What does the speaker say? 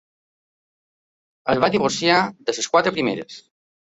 Es va divorciar de les quatre primeres.